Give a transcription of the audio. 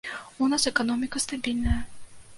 У нас эканоміка стабільная.